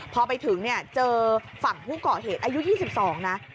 พอไปถึงเนี่ยเจอฝั่งผู้ก่อเหตุอายุ๒๒นะ